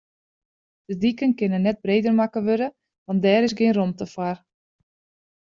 De diken kinne net breder makke wurde, want dêr is gjin romte foar.